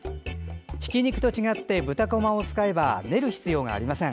ひき肉と違って豚こまを使えば練る必要がありません。